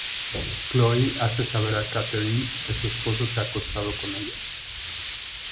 Chloe hace saber a Catherine que su esposo se ha acostado con ella.